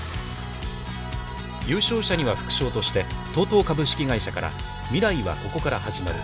優勝者には副賞としてＴＯＴＯ株式会社から「未来は、ここから始まる。」